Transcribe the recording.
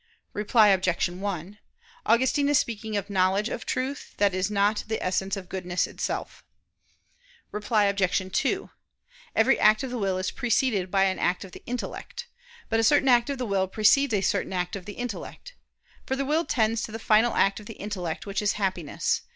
[Reply Obj. 1: Augustine is speaking of knowledge of truth that is not the essence of goodness itself.] Reply Obj. 2: Every act of the will is preceded by an act of the intellect: but a certain act of the will precedes a certain act of the intellect. For the will tends to the final act of the intellect which is happiness.